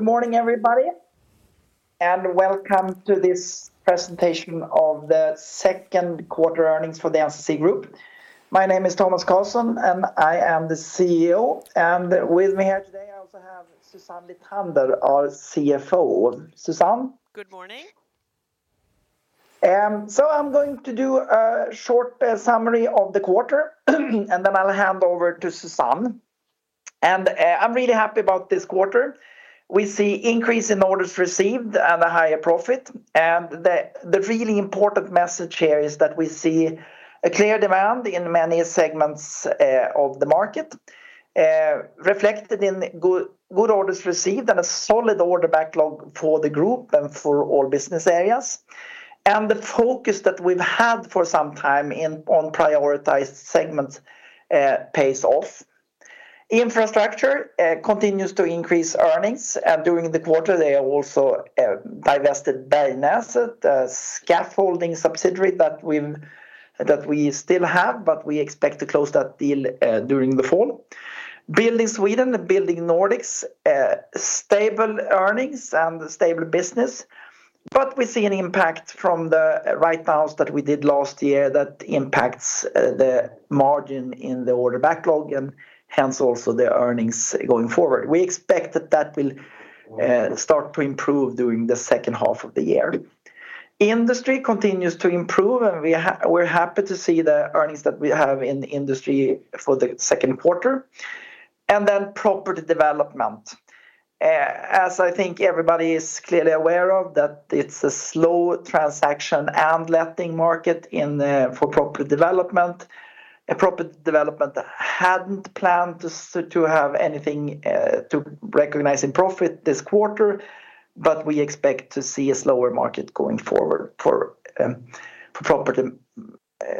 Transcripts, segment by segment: Good morning, everybody. Welcome to this presentation of the second quarter earnings for the NCC Group. My name is Tomas Carlsson. I am the CEO. With me here today, I also have Susanne Lithander, our CFO. Susanne? Good morning. I'm going to do a short summary of the quarter, then I'll hand over to Susanne. I'm really happy about this quarter. We see increase in orders received and a higher profit. The really important message here is that we see a clear demand in many segments of the market, reflected in good orders received and a solid order backlog for the group and for all business areas. The focus that we've had for some time in on prioritized segments pays off. Infrastructure continues to increase earnings, during the quarter, they also divested Bergnäset, scaffolding subsidiary that we still have, but we expect to close that deal during the fall. Building Sweden and Building Nordics, stable earnings and stable business. We see an impact from the write-downs that we did last year that impacts the margin in the order backlog and hence also the earnings going forward. We expect that that will start to improve during the second half of the year. Industry continues to improve. We're happy to see the earnings that we have in the industry for the second quarter. Property Development. As I think everybody is clearly aware of, that it's a slow transaction and letting market in the for Property Development. Property Development hadn't planned to have anything to recognize in profit this quarter, but we expect to see a slower market going forward for Property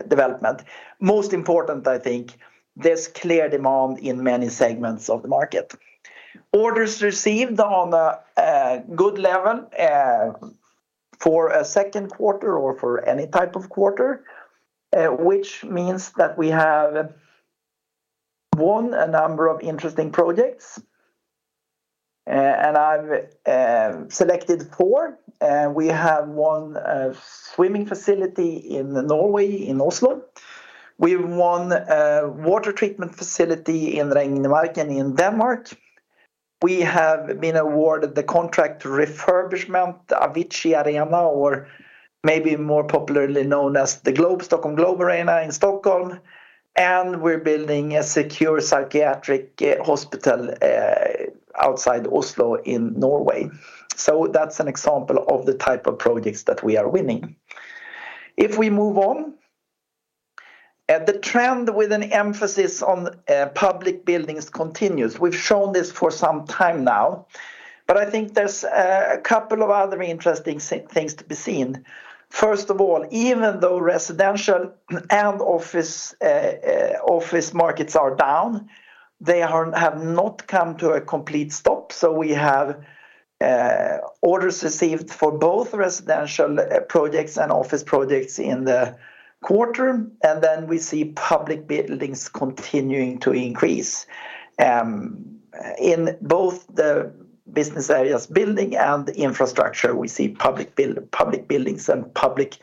Development. Most important, I think, there's clear demand in many segments of the market. Orders received on a good level for a second quarter or for any type of quarter, which means that we have won a number of interesting projects, and I've selected four. We have won a swimming facility in Norway, in Oslo. We've won a water treatment facility in Ringsted, in Denmark. We have been awarded the contract refurbishment, Avicii Arena, or maybe more popularly known as the Globe, Stockholm Globe Arena in Stockholm. We're building a secure psychiatric hospital outside Oslo in Norway. That's an example of the type of projects that we are winning. If we move on, the trend with an emphasis on public buildings continues. We've shown this for some time now, I think there's a couple of other interesting things to be seen. First of all, even though residential and office markets are down, they have not come to a complete stop. We have orders received for both residential projects and office projects in the quarter. We see public buildings continuing to increase. In both the business areas, building and infrastructure, we see public buildings and public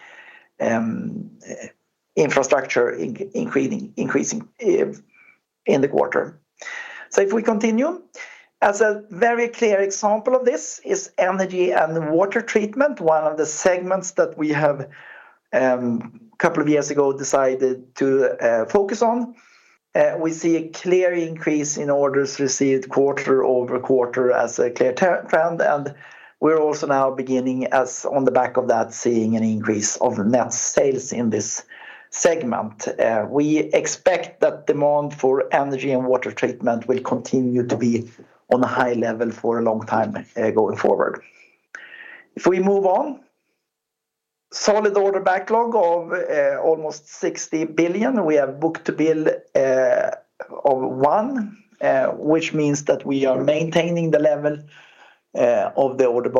infrastructure increasing in the quarter. If we continue, as a very clear example of this is energy and water treatment, one of the segments that we have a couple of years ago decided to focus on. We see a clear increase in orders received quarter-over-quarter as a clear trend. We're also now beginning, as on the back of that, seeing an increase of net sales in this segment. We expect that demand for energy and water treatment will continue to be on a high level for a long time going forward. If we move on, solid order backlog of almost 60 billion. We have book-to-bill of 1, which means that we are maintaining the level of the order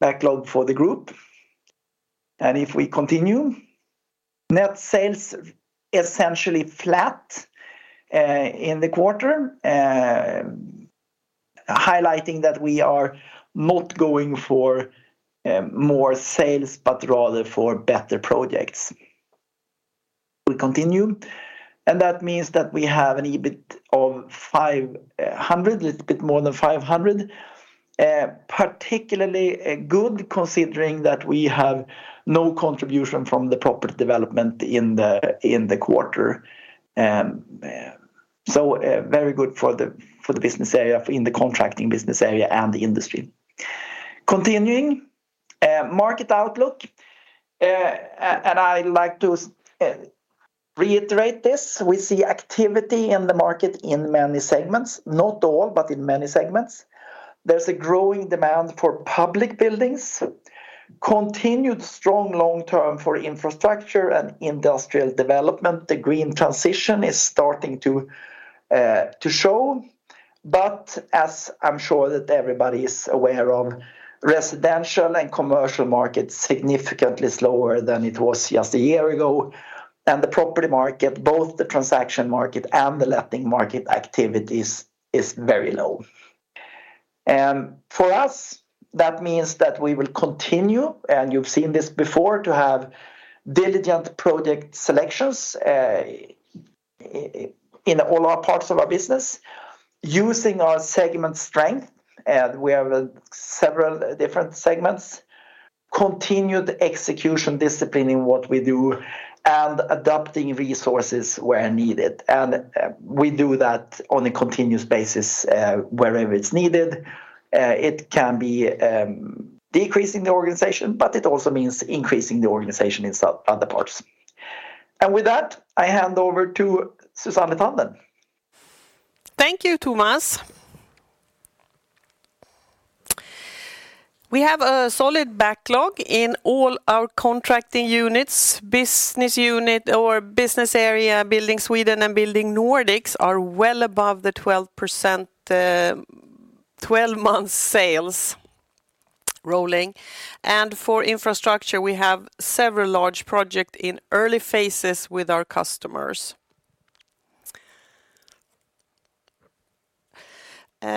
backlog for the group. If we continue, net sales essentially flat in the quarter, highlighting that we are not going for more sales, but rather for better projects. We continue. That means that we have an EBIT of 500 million, a little bit more than 500 million. Particularly good, considering that we have no contribution from the Property Development in the quarter. Very good for the business area, in the contracting business area and the industry. Continuing, market outlook, and I'd like to reiterate this. We see activity in the market in many segments, not all, but in many segments. There's a growing demand for public buildings, continued strong long term for infrastructure and industrial development. The green transition is starting to show, but as I'm sure that everybody is aware of, residential and commercial markets, significantly slower than it was just a year ago. The property market, both the transaction market and the letting market activities is very low. For us, that means that we will continue, and you've seen this before, to have diligent project selections, in all our parts of our business, using our segment strength, and we have several different segments, continued execution discipline in what we do, and adapting resources where needed. We do that on a continuous basis, wherever it's needed. It can be, decreasing the organization, but it also means increasing the organization in some other parts. With that, I hand over to Susanne Lithander. Thank you, Tomas. We have a solid backlog in all our contracting units, business unit or business area, Building Sweden and Building Nordics are well above the 12%, 12-month sales rolling. For Infrastructure, we have several large project in early phases with our customers.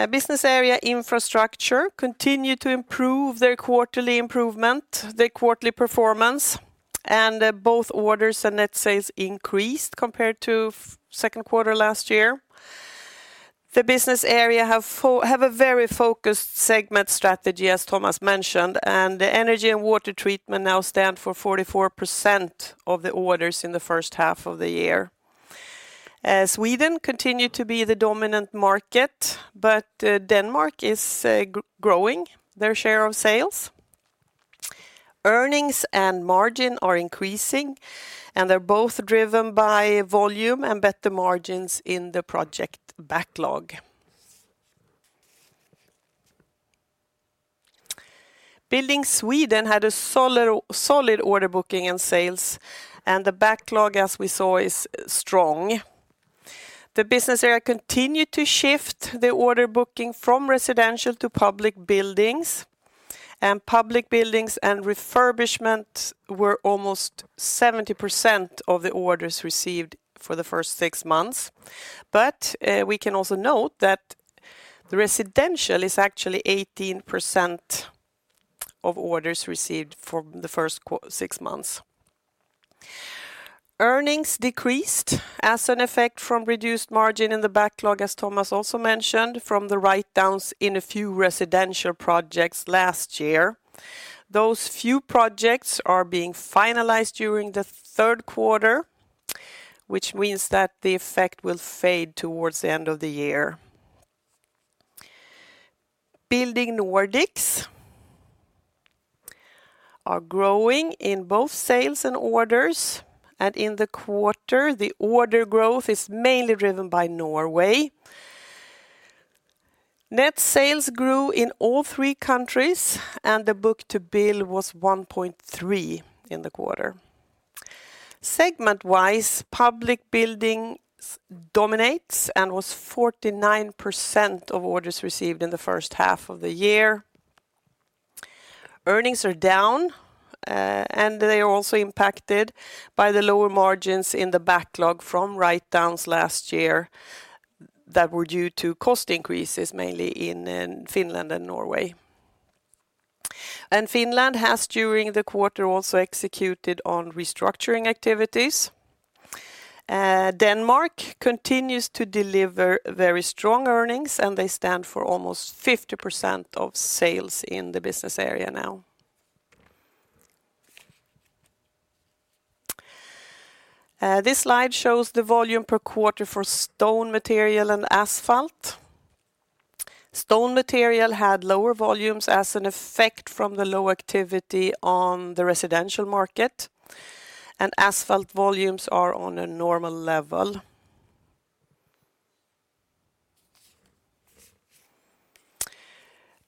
Business area Infrastructure continue to improve their quarterly improvement, their quarterly performance, and both orders and net sales increased compared to second quarter last year. The business area have a very focused segment strategy, as Tomas mentioned, and the energy and water treatment now stand for 44% of the orders in the first half of the year. As Sweden continue to be the dominant market, but Denmark is growing their share of sales. Earnings and margin are increasing, and they're both driven by volume and better margins in the project backlog. Building Sweden had a solid order booking and sales, and the backlog, as we saw, is strong. The business area continued to shift the order booking from residential to public buildings, and public buildings and refurbishments were almost 70% of the orders received for the first 6 months. We can also note that the residential is actually 18% of orders received from the first 6 months. Earnings decreased as an effect from reduced margin in the backlog, as Tomas also mentioned, from the write-downs in a few residential projects last year. Those few projects are being finalized during the third quarter, which means that the effect will fade towards the end of the year. Building Nordics are growing in both sales and orders, and in the quarter, the order growth is mainly driven by Norway. Net sales grew in all three countries. The book-to-bill was 1.3 in the quarter. Segment-wise, public buildings dominates and was 49% of orders received in the first half of the year. Earnings are down, and they are also impacted by the lower margins in the backlog from write-downs last year that were due to cost increases, mainly in Finland and Norway. Finland has, during the quarter, also executed on restructuring activities. Denmark continues to deliver very strong earnings, and they stand for almost 50% of sales in the business area now. This slide shows the volume per quarter for stone material and asphalt. Stone material had lower volumes as an effect from the low activity on the residential market, and asphalt volumes are on a normal level.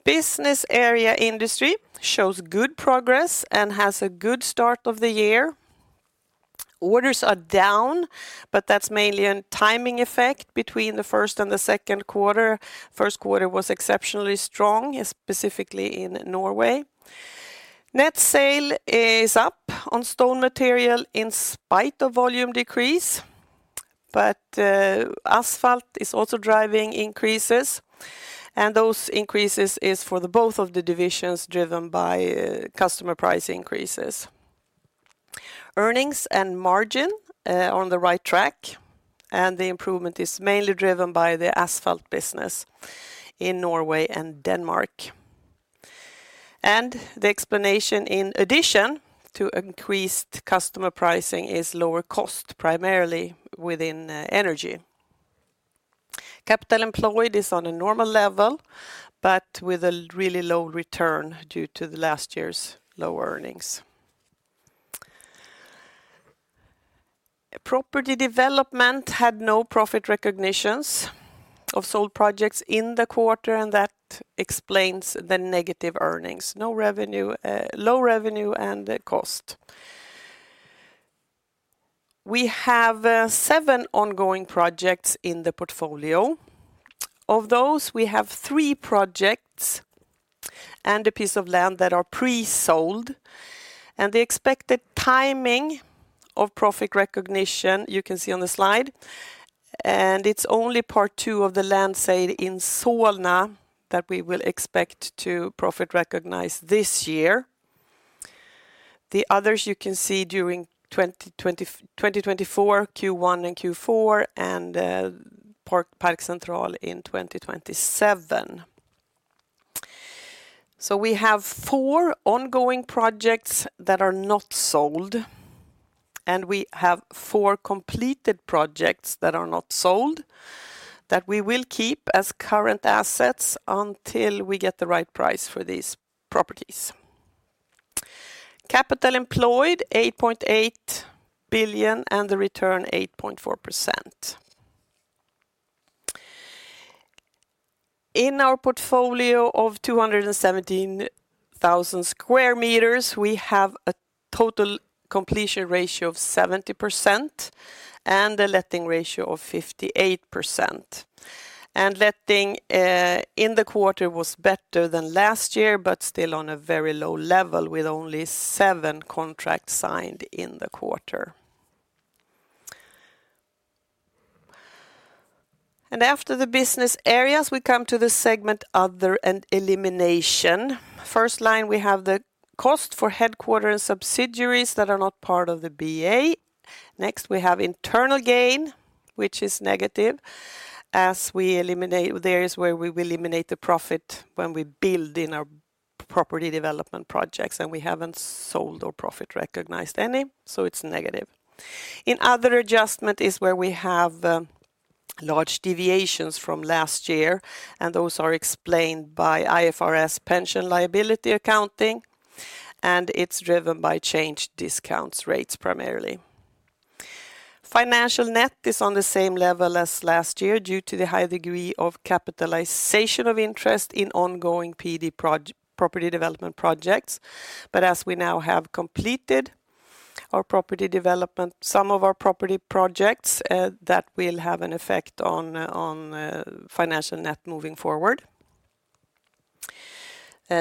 Business area industry shows good progress and has a good start of the year. Orders are down, that's mainly a timing effect between the first and the second quarter. First quarter was exceptionally strong, specifically in Norway. Net sale is up on stone material in spite of volume decrease, asphalt is also driving increases, those increases is for the both of the divisions driven by customer price increases. Earnings and margin on the right track, the improvement is mainly driven by the asphalt business in Norway and Denmark. The explanation, in addition to increased customer pricing, is lower cost, primarily within energy. Capital employed is on a normal level, with a really low return due to the last year's low earnings. Property Development had no profit recognitions of sold projects in the quarter, that explains the negative earnings. No revenue, low revenue, and the cost. We have seven ongoing projects in the portfolio. Of those, we have three projects and a piece of land that are pre-sold. The expected timing of profit recognition, you can see on the slide, and it's only part two of the land sale in Solna that we will expect to profit recognize this year. The others you can see during 2024, Q1 and Q4, and Park Central in 2027. We have four ongoing projects that are not sold, and we have four completed projects that are not sold, that we will keep as current assets until we get the right price for these properties. Capital employed, 8.8 billion, and the return 8.4%. In our portfolio of 217,000 sqm, we have a total completion ratio of 70% and a letting ratio of 58%. Letting in the quarter was better than last year, but still on a very low level, with only seven contracts signed in the quarter. After the business areas, we come to the segment Other and Eliminations. First line, we have the cost for headquarters subsidiaries that are not part of the BA. Next, we have internal gain, which is negative, as there is where we eliminate the profit when we build in our Property Development projects, and we haven't sold or profit recognized any, so it's negative. In other adjustment is where we have large deviations from last year, and those are explained by IFRS pension liability accounting, and it's driven by change discount rates, primarily. Financial net is on the same level as last year, due to the high degree of capitalization of interest in ongoing PD Property Development projects. As we now have completed our Property Development, some of our property projects, that will have an effect on financial net moving forward.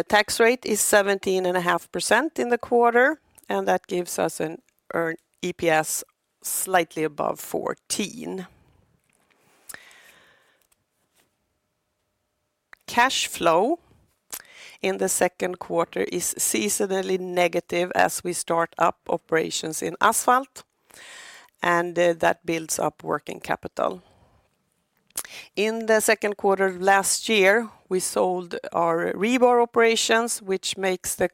Tax rate is 17.5% in the quarter, and that gives us an earn EPS slightly above SEK 14. Cash flow in the second quarter is seasonally negative as we start up operations in Asphalt, and that builds up working capital. In the second quarter of last year, we sold our rebar operations, which made the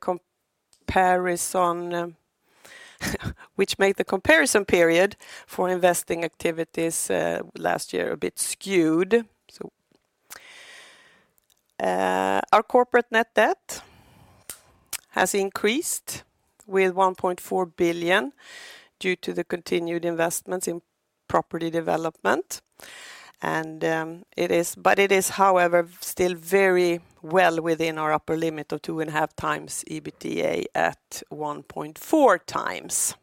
comparison period for investing activities, last year a bit skewed. our corporate net debt has increased with 1.4 billion due to the continued investments in Property Development, but it is, however, still very well within our upper limit of two and a half times EBITDA at 1.4 times.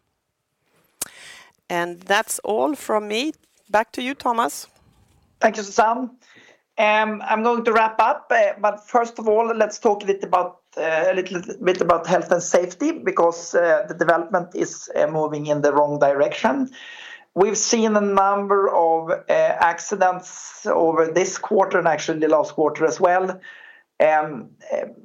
That's all from me. Back to you, Tomas. Thank you, Susanne. I'm going to wrap up, first of all, let's talk a bit about a little bit about health and safety, because the development is moving in the wrong direction. We've seen a number of accidents over this quarter and actually the last quarter as well,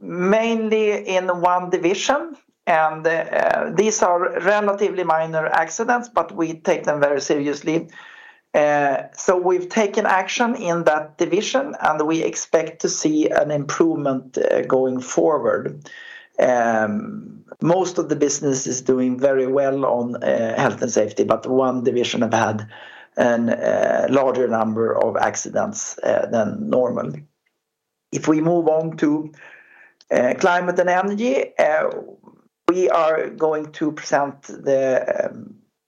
mainly in 1 division. These are relatively minor accidents, but we take them very seriously. We've taken action in that division, and we expect to see an improvement going forward. Most of the business is doing very well on health and safety, 1 division have had an larger number of accidents than normal. If we move on to climate and energy, we are going to present the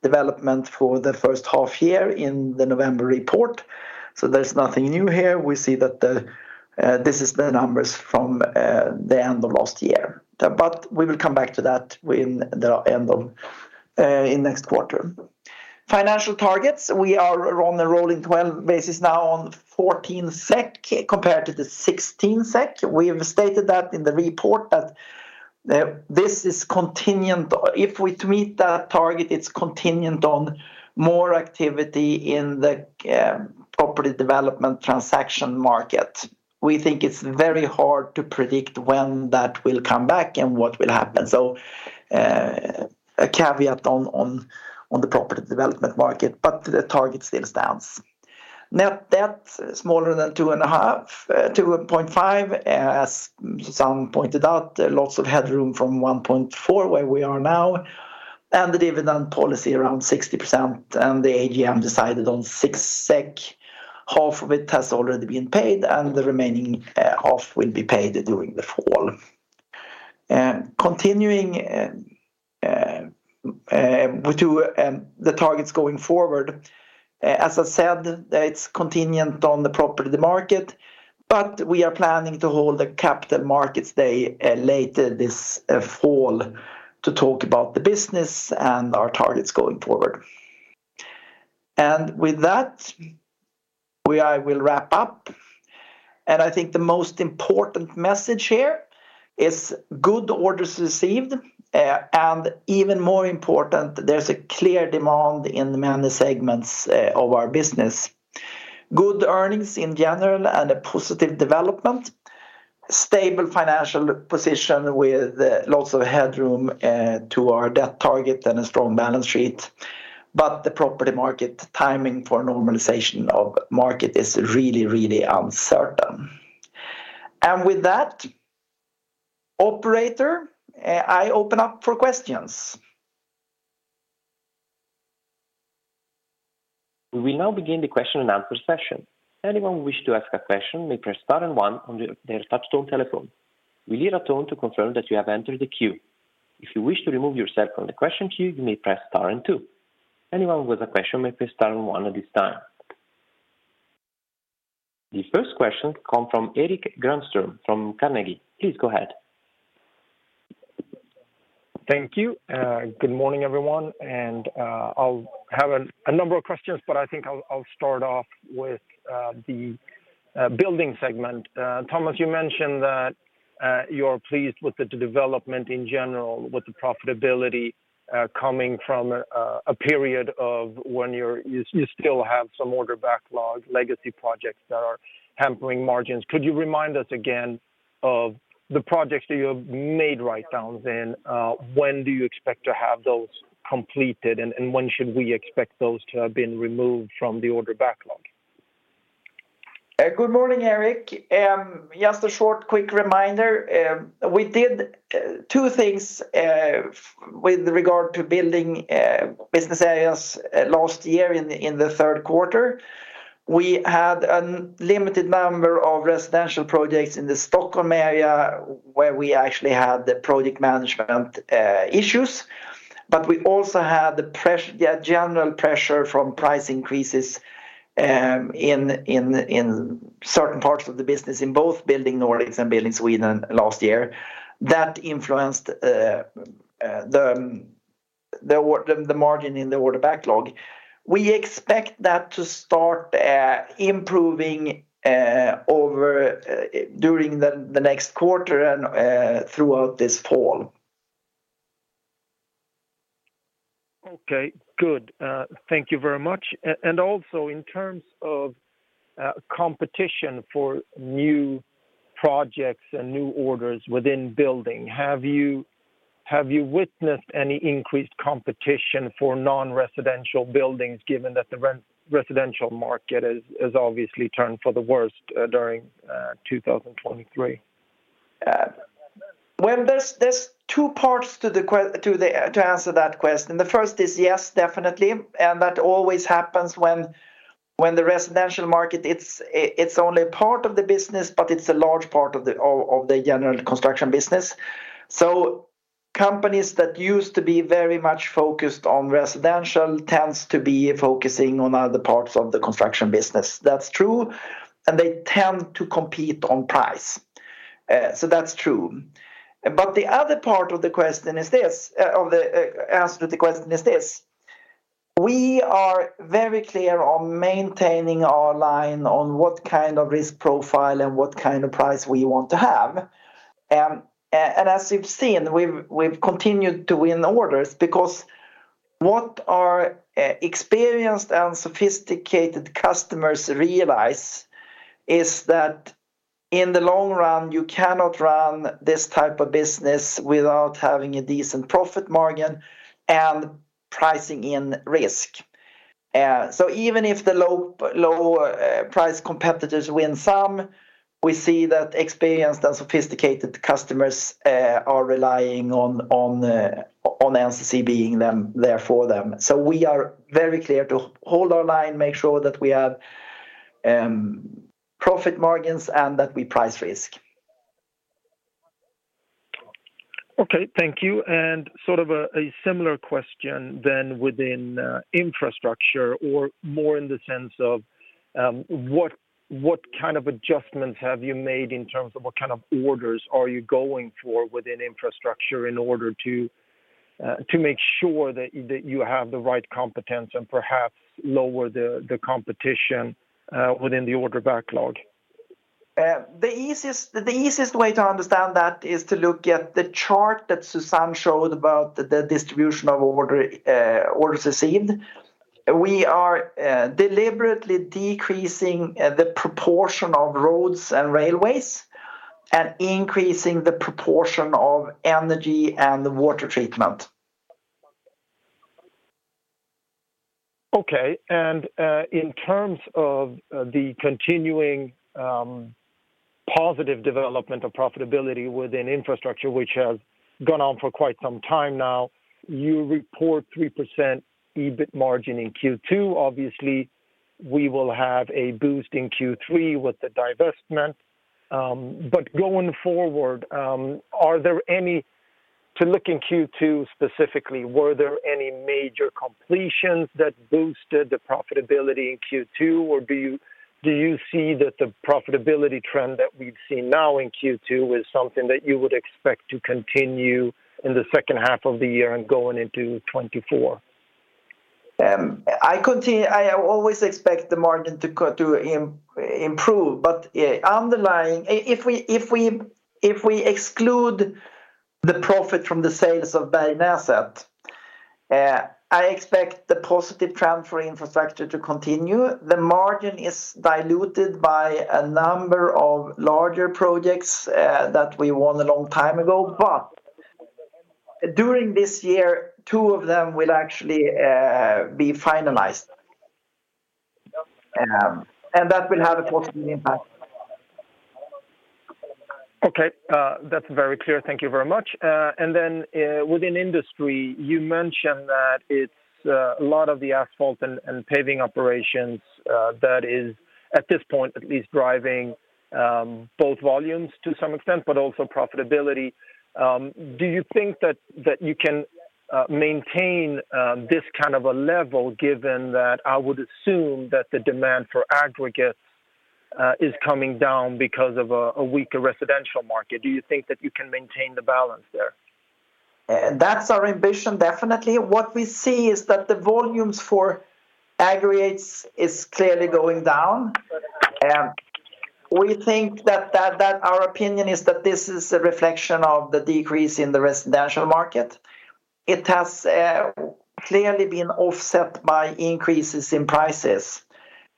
development for the first half year in the November report. There's nothing new here. We see that this is the numbers from the end of last year. We will come back to that in the end of next quarter. Financial targets, we are on a rolling 12 basis now on 14 SEK compared to the 16 SEK. We have stated that in the report that if we meet that target, it's contingent on more activity in the Property Development transaction market. We think it's very hard to predict when that will come back and what will happen. A caveat on the Property Development market, the target still stands. Net debt, smaller than 2.5, as Susanne pointed out, lots of headroom from 1.4, where we are now, and the dividend policy around 60%, and the AGM decided on 6 SEK. Half of it has already been paid, and the remaining half will be paid during the fall. Continuing, we do the targets going forward, as I said, it's contingent on the property market, but we are planning to hold a Capital Markets Day later this fall to talk about the business and our targets going forward. With that, we, I will wrap up. I think the most important message here is good orders received, and even more important, there's a clear demand in many segments of our business. Good earnings in general and a positive development, stable financial position with lots of headroom to our debt target and a strong balance sheet. The property market timing for normalization of market is really, really uncertain. With that, operator, I open up for questions. We will now begin the Q&A session. Anyone who wish to ask a question may press star and one on their touch-tone telephone. You will hear a tone to confirm that you have entered the queue. If you wish to remove yourself from the question queue, you may press star and two. Anyone with a question may press star and one at this time. The first question come from Erik Granström from Carnegie. Please go ahead. Thank you, good morning, everyone, I'll have a number of questions, but I think I'll start off with the building segment. Tomas, you mentioned that you're pleased with the development in general, with the profitability, coming from a period of when you still have some order backlog, legacy projects that are hampering margins. Could you remind us again of the projects that you have made writedowns in? When do you expect to have those completed, when should we expect those to have been removed from the order backlog? Good morning, Erik. Just a short, quick reminder, we did two things with regard to Building business areas last year in the third quarter. We had an limited number of residential projects in the Stockholm area, where we actually had the project management issues, but we also had the general pressure from price increases in certain parts of the business, in both Building Nordics and Building Sweden last year. That influenced the margin in the order backlog. We expect that to start improving over during the next quarter and throughout this fall. Okay, good. Thank you very much. Also, in terms of competition for new projects and new orders within building, have you witnessed any increased competition for non-residential buildings, given that the residential market has obviously turned for the worst during 2023? Well, there's two parts to the to answer that question. The first is, yes, definitely, that always happens when the residential market, it's only a part of the business, but it's a large part of the general construction business. Companies that used to be very much focused on residential tends to be focusing on other parts of the construction business. That's true, they tend to compete on price. That's true. The other part of the question is this, of the answer to the question is this: We are very clear on maintaining our line on what kind of risk profile and what kind of price we want to have. As you've seen, we've continued to win orders because what our experienced and sophisticated customers realize is that in the long run, you cannot run this type of business without having a decent profit margin and pricing in risk. Even if the low price competitors win some, we see that experienced and sophisticated customers are relying on NCC being them, there for them. We are very clear to hold our line, make sure that we have profit margins and that we price risk. Okay, thank you. Sort of a similar question then within infrastructure, or more in the sense of, what kind of adjustments have you made in terms of what kind of orders are you going for within infrastructure in order to make sure that you have the right competence and perhaps lower the competition, within the order backlog? The easiest way to understand that is to look at the chart that Susanne showed about the distribution of orders received. We are deliberately decreasing the proportion of roads and railways and increasing the proportion of energy and water treatment. Okay. In terms of the continuing positive development of profitability within infrastructure, which has gone on for quite some time now, you report 3% EBIT margin in Q2. Obviously, we will have a boost in Q3 with the divestment. Going forward, to look in Q2 specifically, were there any major completions that boosted the profitability in Q2, or do you see that the profitability trend that we've seen now in Q2 is something that you would expect to continue in the second half of the year and going into 2024? I always expect the margin to improve, but, yeah, underlying, if we exclude the profit from the sales of Bergnäset, I expect the positive trend for infrastructure to continue. The margin is diluted by a number of larger projects that we won a long time ago, but during this year, two of them will actually be finalized. That will have a positive impact. Okay, that's very clear. Thank you very much. Within industry, you mentioned that it's a lot of the asphalt and paving operations that is, at this point, at least driving both volumes to some extent, but also profitability. Do you think that you can maintain this kind of a level, given that I would assume that the demand for aggregates is coming down because of a weaker residential market? Do you think that you can maintain the balance there? That's our ambition, definitely. We think that Our opinion is that this is a reflection of the decrease in the residential market. It has clearly been offset by increases in prices.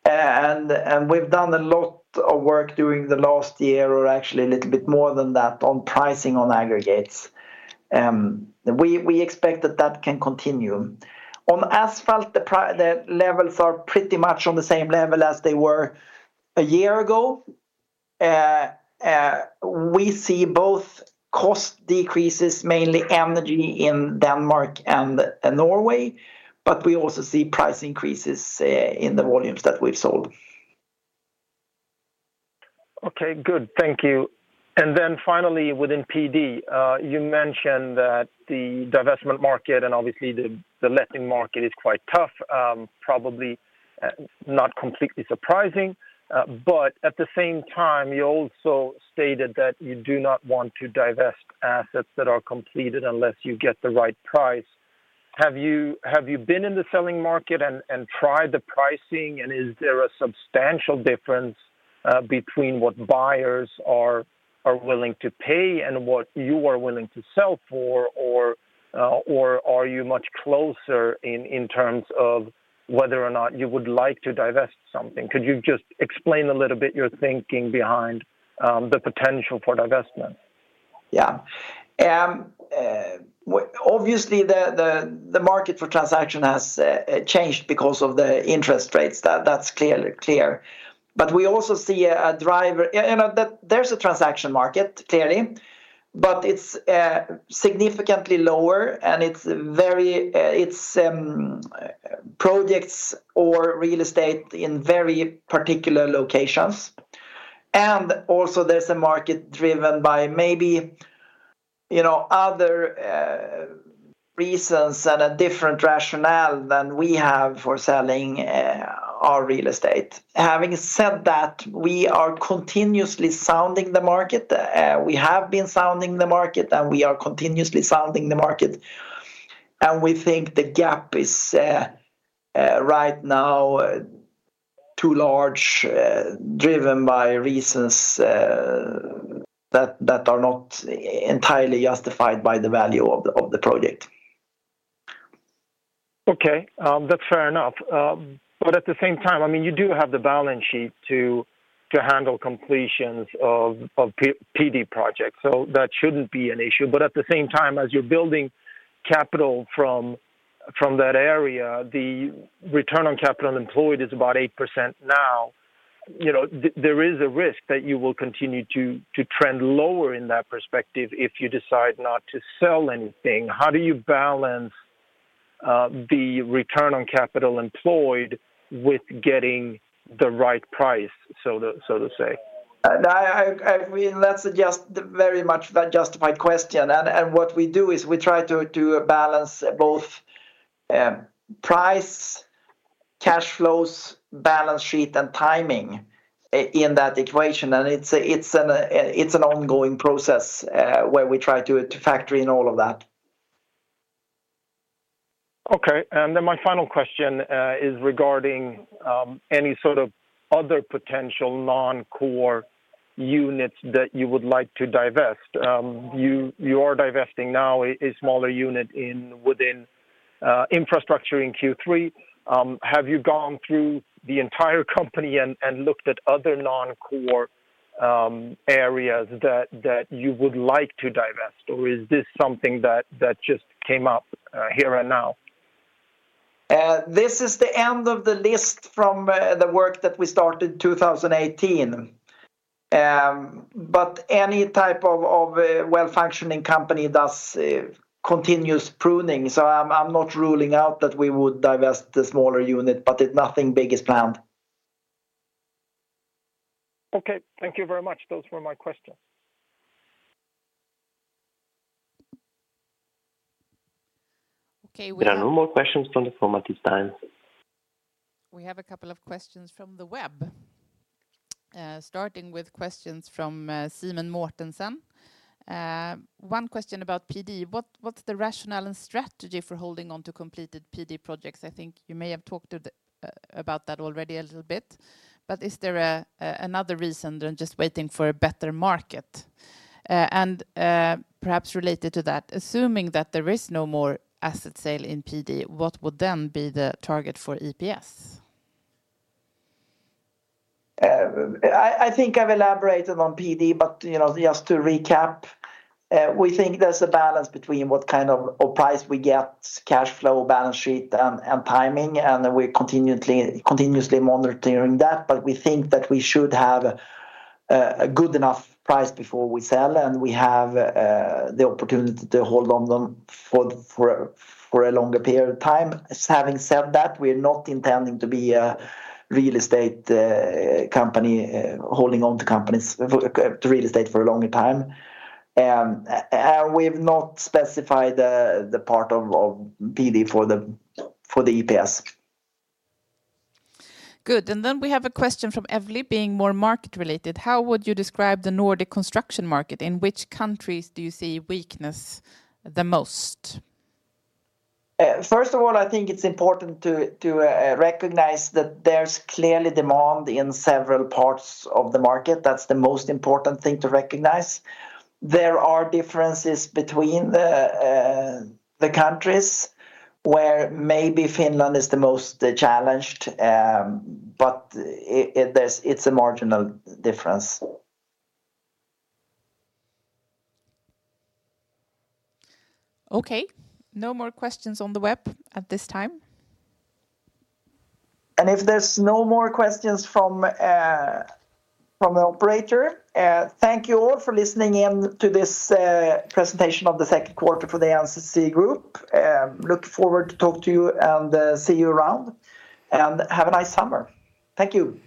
We've done a lot of work during the last year, or actually a little bit more than that, on pricing on aggregates. We expect that that can continue. On asphalt, the levels are pretty much on the same level as they were a year ago. We see both cost decreases, mainly energy in Denmark and Norway, but we also see price increases in the volumes that we've sold. Okay, good. Thank you. Finally, within PD, you mentioned that the divestment market and obviously the letting market is quite tough, probably not completely surprising. At the same time, you also stated that you do not want to divest assets that are completed unless you get the right price. Have you been in the selling market and tried the pricing, and is there a substantial difference between what buyers are willing to pay and what you are willing to sell for? Are you much closer in terms of whether or not you would like to divest something? Could you just explain a little bit your thinking behind the potential for divestment? Yeah. Obviously, the market for transaction has changed because of the interest rates. That's clearly clear. We also see a driver. You know, that there's a transaction market, clearly, but it's significantly lower, and it's very projects or real estate in very particular locations. Also, there's a market driven by maybe, you know, other reasons and a different rationale than we have for selling our real estate. Having said that, we are continuously sounding the market. We have been sounding the market, we are continuously sounding the market, we think the gap is right now, too large, driven by reasons that are not entirely justified by the value of the project. Okay, that's fair enough. At the same time, I mean, you do have the balance sheet to handle completions of PD projects, so that shouldn't be an issue. But at the same time, as you're building capital from that area, the return on capital employed is about 8% now. You know, there is a risk that you will continue to trend lower in that perspective if you decide not to sell anything. How do you balance the return on capital employed with getting the right price, so to say? That's just very much a justified question, what we do is we try to balance both price, cash flows, balance sheet, and timing in that equation. It's an ongoing process where we try to factor in all of that. Okay, my final question is regarding any sort of other potential non-core units that you would like to divest. You are divesting now a smaller unit in within infrastructure in Q3. Have you gone through the entire company and looked at other non-core areas that you would like to divest, or is this something that just came up here and now? This is the end of the list from the work that we started 2018. Any type of well-functioning company does continuous pruning, so I'm not ruling out that we would divest the smaller unit, but nothing big is planned. Okay, thank you very much. Those were my questions. Okay, we have no more questions from the formative time. We have a couple of questions from the web, starting with questions from Simon Mortensen. One question about PD: What's the rationale and strategy for holding on to completed PD projects? I think you may have talked about that already a little bit, but is there another reason than just waiting for a better market? Perhaps related to that, assuming that there is no more asset sale in PD, what would then be the target for EPS? I think I've elaborated on PD, but, you know, just to recap, we think there's a balance between what kind of, or price we get, cash flow, balance sheet, and timing, and we're continuously monitoring that. We think that we should have a good enough price before we sell, and we have, the opportunity to hold on them for a longer period of time. Having said that, we're not intending to be a real estate, company, holding on to real estate for a longer time. We've not specified the part of PD for the EPS. Good. We have a question from Evely being more market related: How would you describe the Nordic construction market? In which countries do you see weakness the most? First of all, I think it's important to recognize that there's clearly demand in several parts of the market. That's the most important thing to recognize. There are differences between the countries, where maybe Finland is the most challenged, but it's a marginal difference. No more questions on the web at this time. If there's no more questions from the operator, thank you all for listening in to this presentation of the second quarter for the NCC Group. Look forward to talk to you and see you around, and have a nice summer. Thank you.